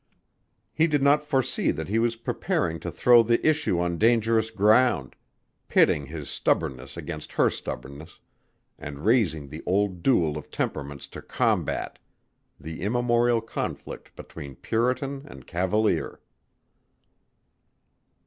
He did not foresee that he was preparing to throw the issue on dangerous ground, pitting his stubbornness against her stubbornness, and raising the old duel of temperaments to combat the immemorial conflict between puritan and cavalier.